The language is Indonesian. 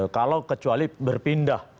kalau kecuali berpindah